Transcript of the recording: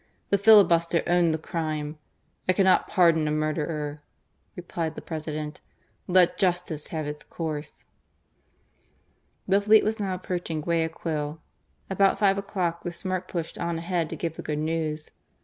The filibuster owned the crime. " I cannot pardon a murderer," replied the Presi dent. " Let justice have its course." The fleet was now approaching Guayaquil. About five o'clock the Smyrk pushed on ahead to give the good news.